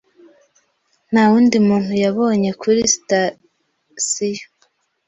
Nta wundi muntu yabonye kuri sitasiyo.